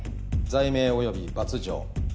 罪名および罰条。